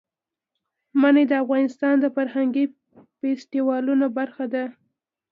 منی د افغانستان د فرهنګي فستیوالونو برخه ده.